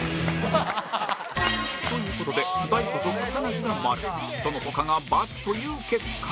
という事で大悟と草薙が○その他が×という結果に